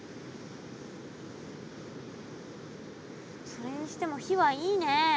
それにしても火はいいねえ。